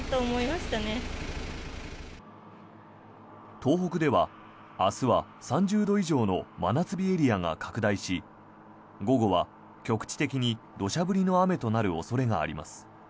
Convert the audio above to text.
東北では、明日は３０度以上の真夏日エリアが拡大し午後は局地的に土砂降りの雨となる恐れがあります。